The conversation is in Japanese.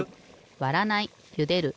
わらないゆでる